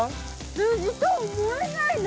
羊と思えないな。